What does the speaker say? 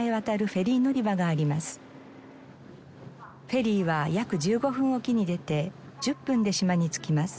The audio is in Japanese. フェリーは約１５分おきに出て１０分で島に着きます。